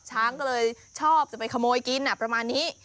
ช้างก็เลยชอบจะไปขโมยกินประมาณนี้